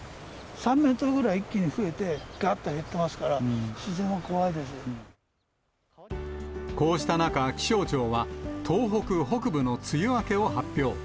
３メートルぐらい一気に増えて、がっと減ってますから、自然は怖こうした中、気象庁は東北北部の梅雨明けを発表。